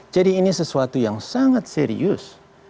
jadi ini sesuatu yang sangat serius